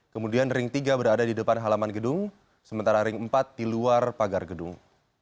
kemudian ring tiga berada di depan halaman gedung sementara ring empat di luar pagar gedung